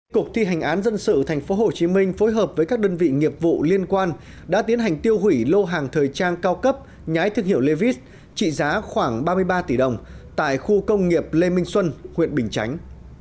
cục thi hành án dân sự tp hcm phối hợp với các đơn vị nghiệp vụ liên quan đã tiến hành tiêu hủy lô hàng thời trang cao cấp nhái thương hiệu david trị giá khoảng ba mươi ba tỷ đồng tại khu công nghiệp lê minh xuân huyện bình chánh